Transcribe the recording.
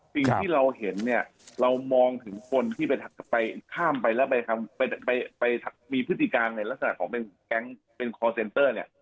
สิ่งที่เราเห็นเนี่ยเรามองถึงคนที่ไปข้ามไปแล้วไปมีพฤติการในลักษณะของเป็นแก๊งเป็นคอร์เซนเตอร์เนี่ย